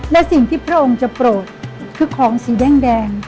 และสิ่งที่พระองค์จะโปรดคือของสีแดง